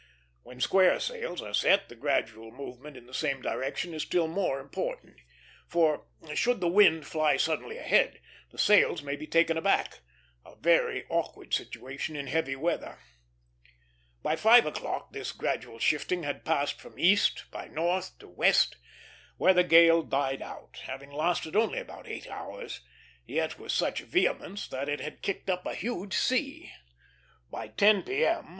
When square sails are set, this gradual movement in the same direction is still more important; for, should the wind fly suddenly ahead, the sails may be taken aback, a very awkward situation in heavy weather. By five o'clock this gradual shifting had passed from east, by north, to west, where the gale died out; having lasted only about eight hours, yet with such vehemence that it had kicked up a huge sea. By 10 P.M.